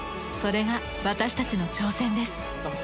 それが私たちの挑戦です。